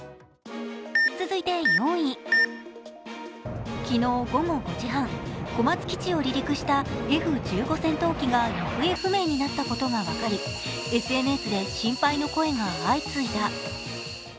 続いて４位、昨日午後５時半小松基地を離陸したＦ１５戦闘機が行方不明になったことが分かりＳＮＳで心配の声が相次いだ。